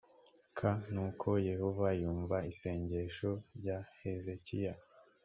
k nuko yehova yumva isengesho rya hezekiya